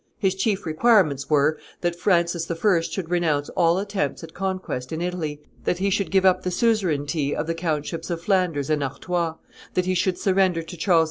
His chief requirements were, that Francis I. should renounce all attempts at conquest in Italy, that he should give up the suzerainty of the countships of Flanders and Artois, that he should surrender to Charles V.